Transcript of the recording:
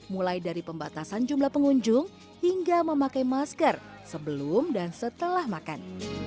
mulai dari pembatasan jumlah pengunjung hingga memakai masker sebelum dan setelah makan